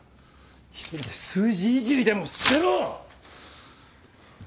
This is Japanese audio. １人で数字いじりでもしてろ！